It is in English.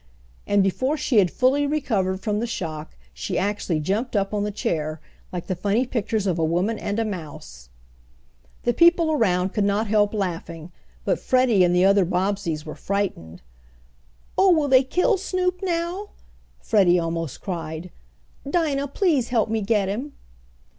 and before she had fully recovered from the shock she actually jumped up on the chair, like the funny pictures of a woman and a mouse. The people around could not help laughing, but Freddie and the other Bobbseys were frightened. "Oh, will they kill Snoop now?" Freddie almost cried. "Dinah, please help me get him!"